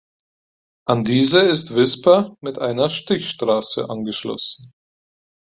An diese ist "Wisper" mit einer Stichstraße angeschlossen.